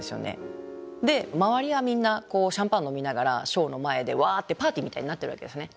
で周りはみんなシャンパン飲みながらショーの前でワーってパーティーみたいになってるわけですね。